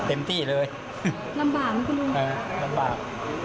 เออลำบาก